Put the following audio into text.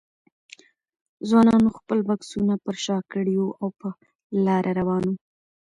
ځوانانو خپل بکسونه پر شا کړي وو او په لاره روان وو.